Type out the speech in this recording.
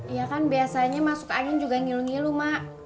iya kan biasanya masuk angin juga ngilu ngilu mak